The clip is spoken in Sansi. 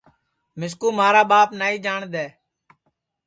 مِسکُو مھارا ٻاپ نائی جاٹؔ دؔے